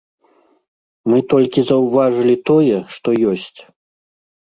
Мы толькі заўважылі тое, што ёсць.